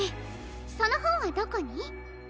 そのほんはどこに？